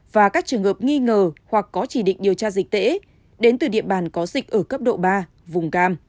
và các trường hợp nghi ngờ hoặc có chỉ định điều tra dịch tễ đến từ địa bàn có dịch ở cấp độ ba vùng cam